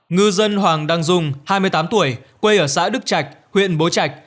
ngư dân hoàng đăng dung hai mươi tám tuổi quê ở xã đức trạch huyện bố trạch